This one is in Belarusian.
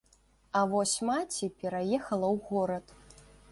А вось маці пераехала ў горад.